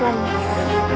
ada yang menangis